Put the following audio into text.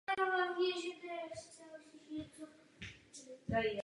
Kronika králů Alby informuje o několika událostech v době jeho vlády.